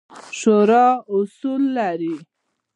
شورا اصول لري